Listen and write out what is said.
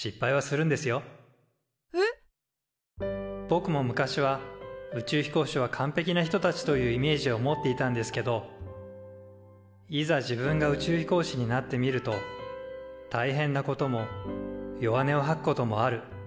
ぼくも昔は宇宙飛行士はかんぺきな人たちというイメージを持っていたんですけどいざ自分が宇宙飛行士になってみると大変なことも弱音をはくこともある。